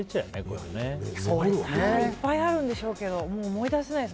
いっぱいあるんでしょうけどもう思い出せないです。